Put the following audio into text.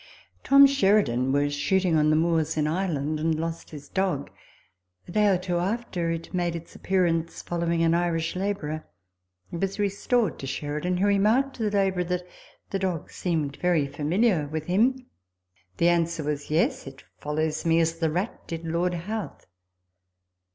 Tom Sheridan was shooting on the moors in Ire land, and lost his dog. A day or two after it made its appearance, following an Irish labourer. It was restored to Sheridan, who remarked to the labourer that " the dog seemed very familiar with him." The answer was, " Yes, it follows me, as the rat did Lord Howth."